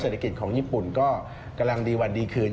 เศรษฐกิจของญี่ปุ่นก็กำลังดีวันดีคืน